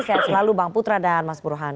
sehat selalu bang putra dan mas burhan